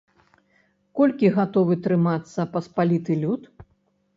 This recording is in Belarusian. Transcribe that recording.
Колькі гатовы трымацца паспаліты люд?